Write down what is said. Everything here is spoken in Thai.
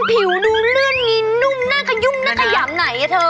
ผิวดูเลือนนี่นุ่มน่ากพยายามไหนอ่ะเธอ